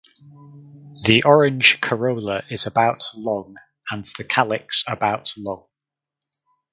The orange corolla is about long and the calyx about long.